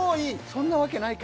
そんなわけないか。